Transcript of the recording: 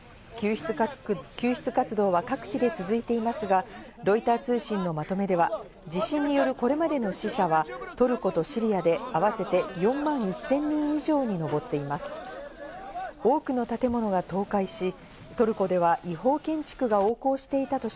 救出活動は各地で続いていますが、ロイター通信のまとめでは、地震によるこれまでの死者はトルコとシリアで合わせて４万１０００人以上に上っています。